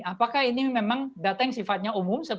apakah ini memang data yang sifatnya umum